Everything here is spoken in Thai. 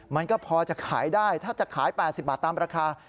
มันก็พอจะขายได้ถ้าจะขาย๘๐บาทตามราคา